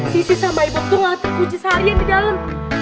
sisi sama ibu tuh gak terkunci seharian di dalam